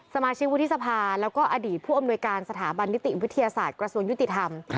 สมาชิกวุฒิสภาแล้วก็อดีตผู้อำนวยการสถาบันนิติวิทยาศาสตร์กระทรวงยุติธรรม